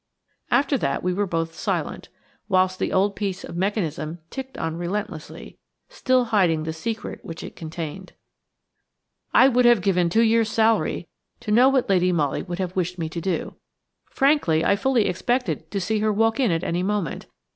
After that we were both silent, whilst that old piece of mechanism ticked on relentlessly, still hiding the secret which it contained. I would have given two years' salary to know what Lady Molly would have wished me to do. Frankly, I fully expected to see her walk in at any moment.